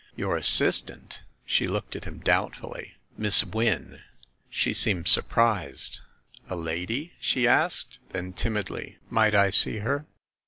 "Your assistant?" She looked at him doubtfully. "Miss Wynne." She seemed surprised. "A lady?" she asked; then, timidly, "Might I see her?"